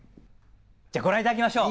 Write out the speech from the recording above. じゃあご覧いただきましょう。